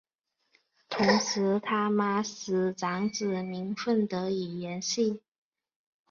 同时他玛使长子名份得以延续。